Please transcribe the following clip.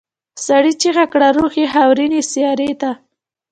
سړي چيغه کړه روح یې خاورینې سیارې ته.